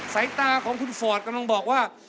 ใส่ตาของคุณฝอดกำลังบอกว่า